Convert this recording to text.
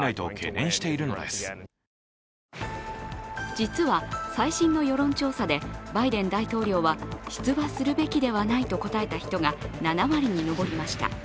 実は、最新の世論調査でバイデン大統領は出馬するべきではないと答えた人が７割に上りました。